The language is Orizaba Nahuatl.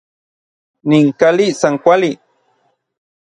Nin kali san kuali.